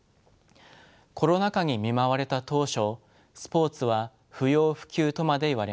コロナ禍に見舞われた当初スポーツは不要不急とまで言われました。